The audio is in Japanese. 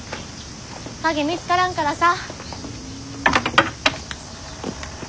鍵見つからんからさ。